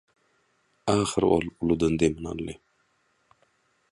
Ahyry ol uludan demini aldy.